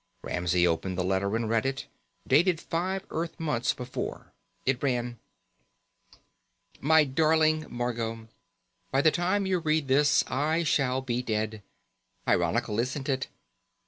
Ramsey opened the letter and read it. Dated five Earth months before, it ran: _My darling Margot: By the time you read this I shall be dead. Ironical, isn't it?